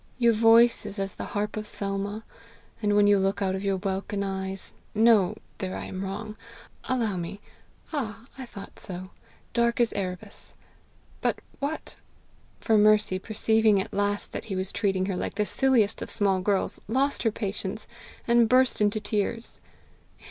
Your voice is as the harp of Selma; and when you look out of your welkin eyes no! there I am wrong! Allow me! ah, I thought so! dark as Erebus! But what!" For Mercy, perceiving at last that he was treating her like the silliest of small girls, lost her patience, and burst into tears.